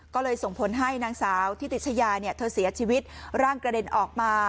ก็เลยส่งผลให้นางสาวทิติชยาเนี่ยเธอเสียชีวิตร่างกระเด็นออกมา